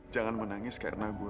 jangan menangis karena gua